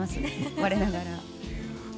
我ながら。